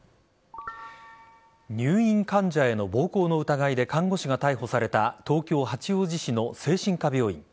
入院患者への暴行の疑いで看護師が逮捕された東京・八王子市の精神科病院。